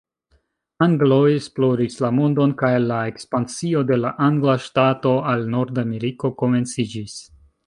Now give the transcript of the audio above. Angloj esploris la mondon kaj la ekspansio de la angla ŝtato al Nordameriko komenciĝis.